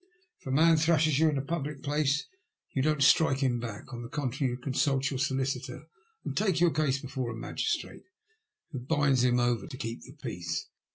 If a man thrashes you in a public place, you don't strike him back ; on the contrary, you consult your solicitor, and take your case before a magistrate, who binds him over to keep the peace.